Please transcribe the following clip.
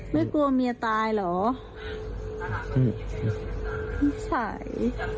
ไม่กลัวเมียตายเหรอ